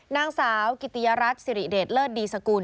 นางสาวกิติยรัฐสิริเดชเลิศดีสกุล